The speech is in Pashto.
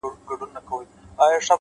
د وجود ساز ته یې رگونه له شرابو جوړ کړل،